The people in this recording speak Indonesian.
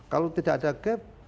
kalau tidak ada gap